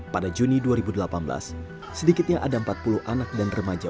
pada juni dua ribu delapan belas sedikitnya ada empat puluh anak dan remaja